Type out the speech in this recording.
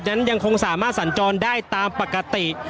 ยังคงสามารถสัญจรได้ตามปกติ